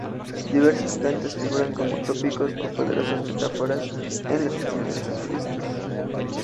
Diversas plantas figuran como tópicos o poderosas metáforas en las enseñanzas budistas.